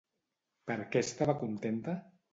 Per què estava contenta?